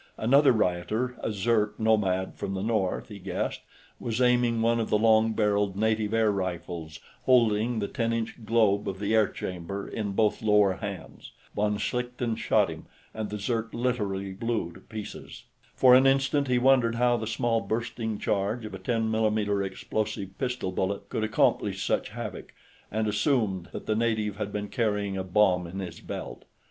Another rioter a Zirk nomad from the North, he guessed was aiming one of the long barreled native air rifles, holding the ten inch globe of the air chamber in both lower hands. Von Schlichten shot him, and the Zirk literally blew to pieces. For an instant, he wondered how the small bursting charge of a 10 mm explosive pistol bullet could accomplish such havoc, and assumed that the native had been carrying a bomb in his belt.